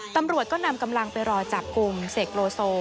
ตำรวจก็นำกำลังไปรอจับกลุ่มเสกโลโซ